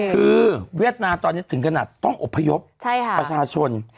คือเวียดนามตอนนี้ถึงขนาดต้องอบพยพประชาชน